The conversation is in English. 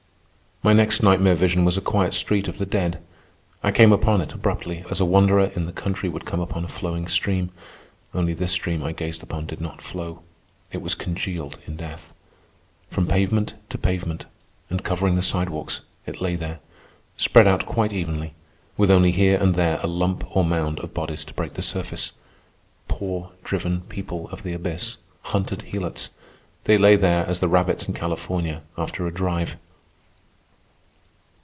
My next nightmare vision was a quiet street of the dead. I came upon it abruptly, as a wanderer in the country would come upon a flowing stream. Only this stream I gazed upon did not flow. It was congealed in death. From pavement to pavement, and covering the sidewalks, it lay there, spread out quite evenly, with only here and there a lump or mound of bodies to break the surface. Poor driven people of the abyss, hunted helots—they lay there as the rabbits in California after a drive.